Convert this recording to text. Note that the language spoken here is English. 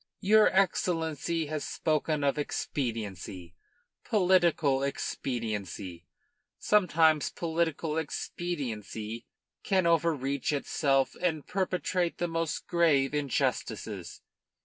"Your Excellency has spoken of expediency political expediency. Sometimes political expediency can overreach itself and perpetrate the most grave injustices.